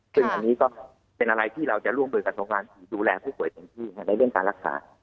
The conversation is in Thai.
ซึ่งอันนี้ก็เป็นอะไรที่เราจะร่วมมือกับโรงงานคือดูแลผู้ป่วยเต็มที่ในเรื่องการรักษา